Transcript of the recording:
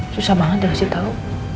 susah banget dikasih tau